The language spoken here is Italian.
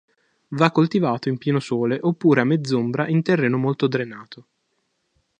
Va coltivato in pieno sole oppure a mezz'ombra in terreno molto drenato.